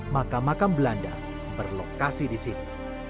maka makam belanda berlokasi di sini